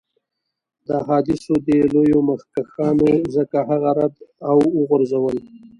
د احادیثو دې لویو مخکښانو ځکه هغه رد او وغورځول.